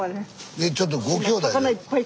えちょっとごきょうだいで？